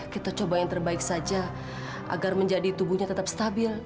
kita coba yang terbaik saja agar menjadi tubuhnya tetap stabil